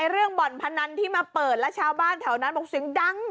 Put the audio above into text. เรื่องบ่อนพนันที่มาเปิดแล้วชาวบ้านแถวนั้นบอกเสียงดัง